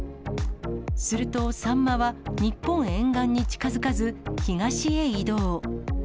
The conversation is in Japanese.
すると、さんまは日本沿岸に近づかず、東へ移動。